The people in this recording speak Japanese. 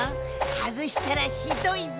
はずしたらひどいぞ！